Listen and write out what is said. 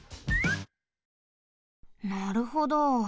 なるほど。